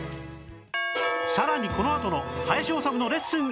更にこのあとの『林修のレッスン！